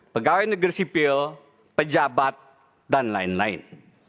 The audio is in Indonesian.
pegawai negeri sipil pejabat dan lain lain